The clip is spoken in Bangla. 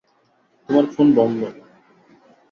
তোমার ফোন বন্ধ।